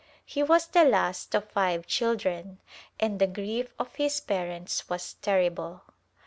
He was the last of five children and the grief of his parents was terrible.